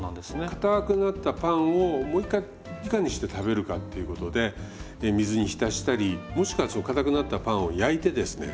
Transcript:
硬くなったパンをもう一回いかにして食べるかっていうことで水に浸したりもしくは硬くなったパンを焼いてですね